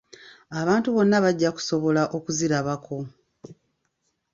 Abantu bonna bajja kusobola okuzirabako.